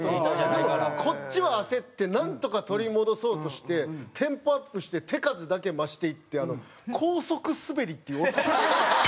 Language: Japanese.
でもこっちは焦ってなんとか取り戻そうとしてテンポアップして手数だけ増していって高速スベリっていう恐ろしい。